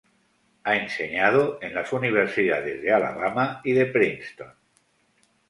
Ha enseñado en las universidad de Alabama y de Princeton.